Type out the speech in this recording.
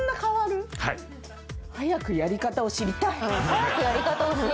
うん。早くやり方を知りたい。